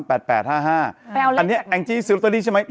ไปเอาเล่นจากนั้นอันนี้แอ้งจี้ซื้อลอตรีใช่ไหม